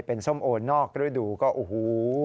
เป็นส้มโอนอกฤดูก็โอ้โห